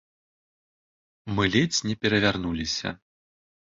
Мы ледзь не перавярнуліся.